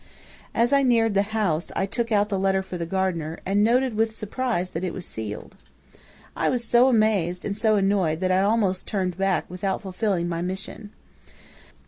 "As I neared the house I took out the letter for the gardener, and noted with surprise that it was sealed. I was so amazed and so annoyed that I almost turned back without fulfilling my mission.